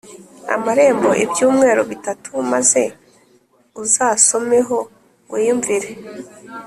amaremo ibyumweru bitatu maze uzasomeho wiyumvire.”